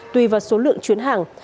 tùy vào số lượng chuyến hàng